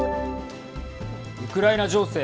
ウクライナ情勢。